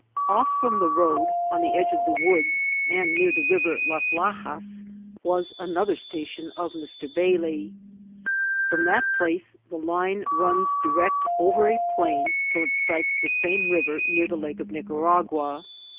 Ofl* fir<Hn the road, on the edge of the woods, and near the Biver Las Lahas, was another station of Mr^ Bailey. From that place the line runs direct over a plain till it strikes the same river near the Lake of Nic« aragua.